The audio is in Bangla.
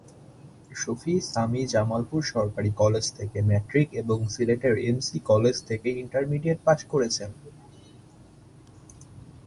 শফি সামি জামালপুর সরকারি কলেজ থেকে ম্যাট্রিক এবং সিলেটের এমসি কলেজ থেকে ইন্টারমিডিয়েট পাস করেছেন।